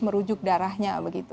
merujuk darahnya begitu